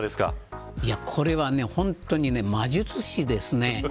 これは本当に魔術師ですね。